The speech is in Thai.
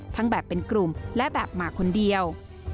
ทั้งแบบเป็นกลุ่มและแบบมาคนเดียว